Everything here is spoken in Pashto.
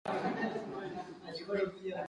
اقچې غالۍ ولې مشهورې دي؟